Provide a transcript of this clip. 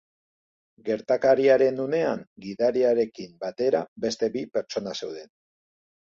Gertakariaren unean gidariarekin batera beste bi pertsona zeuden.